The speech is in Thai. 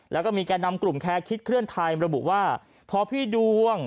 แล้วก็มีแก่นำกลุ่มแคร์คิดเคลื่อนไทยระบุว่าพอพี่ดวง